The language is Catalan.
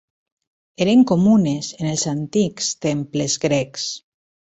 Eren comunes en els antics temples grecs.